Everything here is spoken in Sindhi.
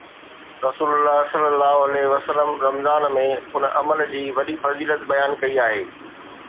رسول الله صلي الله عليه وسلم رمضان ۾ ان عمل جي وڏي فضيلت بيان ڪئي آهي